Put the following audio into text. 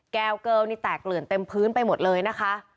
แก้วเกิวนี่แตกเกลื่อนเต็มพื้นไปหมดเลยนะคะ